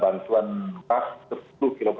bantuan tak sepuluh kg